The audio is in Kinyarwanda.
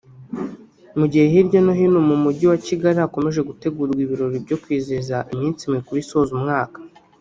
Mu gihe hirya no hino mu mujyi wa Kigali hakomeje gutegurwa ibirori byo kwizihiza iminsi mikuru isoza umwaka